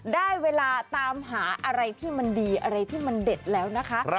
ได้เวลาตามหาอะไรที่มันดีอะไรที่มันเด็ดแล้วนะคะ